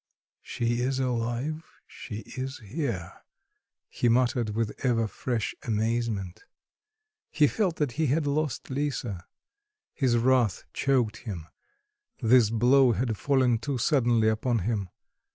"She is alive, she is here," he muttered with ever fresh amazement. He felt that he had lost Lisa. His wrath choked him; this blow had fallen too suddenly upon him.